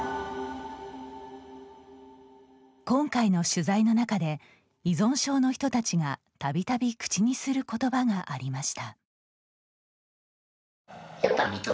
今回の取材の中で依存症の人たちが、たびたび口にすることばがありました。